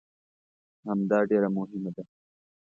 همدا ډېره مهمه ده.